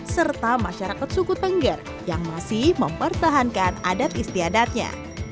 serta masyarakat suku tengger yang masih mempertahankan adat istiadatnya